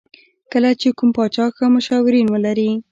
کله چې کوم پاچا ښه مشاورین ولري.